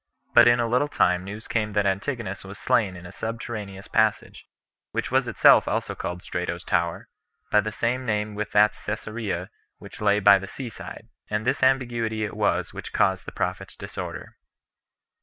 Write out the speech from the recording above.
But in a little time news came that Antigonus was slain in a subterraneous place, which was itself also called Strato's Tower, by the same name with that Cesarea which lay by the sea side; and this ambiguity it was which caused the prophet's disorder.